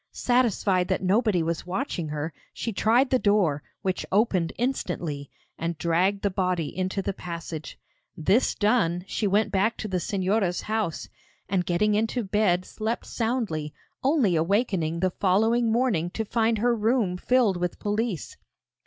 Satisfied that nobody was watching her, she tried the door, which opened instantly, and dragged the body into the passage. This done she went back to the Señora's house, and getting into bed slept soundly, only awakening the following morning to find her room filled with police.